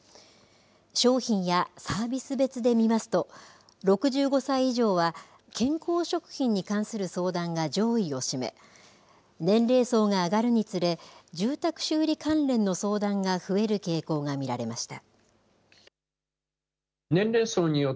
商品やサービス別で見ますと、６５歳以上は健康食品に関する相談が上位を占め、年齢層が上がるにつれ、住宅修理関連の相談が増える傾向が見られました。